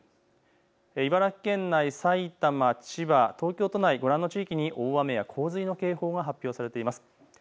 茨城県内、埼玉、千葉、東京都内ご覧の地域に大雨や洪水の警報が発表されています。